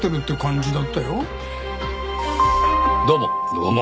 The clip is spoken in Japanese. どうも。